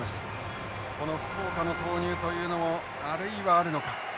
この福岡の投入というのもあるいはあるのか。